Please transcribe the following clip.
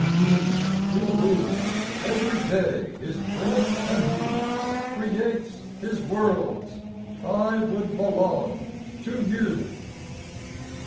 Ye, through whom every day His breath anew Creates His worlds, I would belong to you